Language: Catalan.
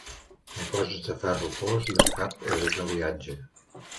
El cos és de ferro fos i el cap és d'aliatge.